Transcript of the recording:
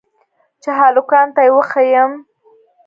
چې هلکانو ته يې وښييم.